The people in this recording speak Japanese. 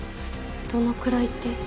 どのくらいって。